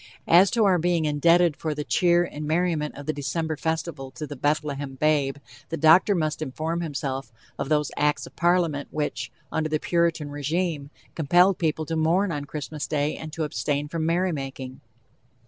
As to our being indebted for the cheer and merriment of the December festival to the "Bethlehem babe," the doctor must inform himself of those acts of Parliament which, under the Puritan regime, compelled people to mourn on Christmas day and to abstain from merrymaking.